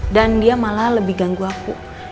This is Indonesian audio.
dan dia malah lebih ganggu aku